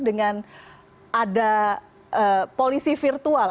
dengan ada polisi virtual